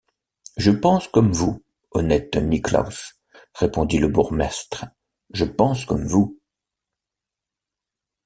Je pense comme vous, honnête Niklausse, répondit le bourgmestre, je pense comme vous.